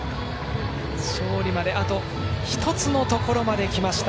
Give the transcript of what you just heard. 勝利まで、あと１つのところまできました。